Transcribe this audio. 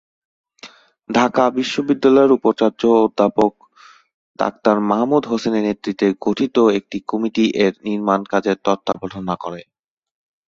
ঢাকা বিশ্ববিদ্যালয়ের উপাচার্য অধ্যাপক ডাক্তার মাহমুদ হোসেনের নেতৃত্বে গঠিত একটি কমিটি এর নির্মাণ কাজের তত্ত্বাবধান করে।